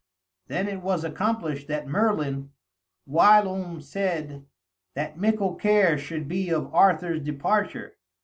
Then was it accomplished that Merlin whilom said, that mickle care should be of Arthur's departure.